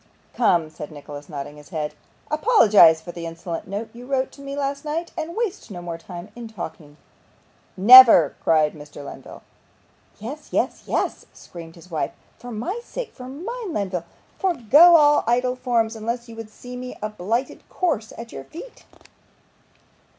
'Come,' said Nicholas, nodding his head, 'apologise for the insolent note you wrote to me last night, and waste no more time in talking.' 'Never!' cried Mr. Lenville. 'Yes yes yes!' screamed his wife. 'For my sake for mine, Lenville forego all idle forms, unless you would see me a blighted corse at your feet.